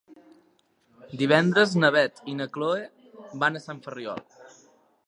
Divendres na Beth i na Chloé van a Sant Ferriol.